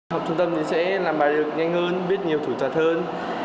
học trung tâm thì sẽ làm bài được nhanh hơn biết nhiều thủ tật hơn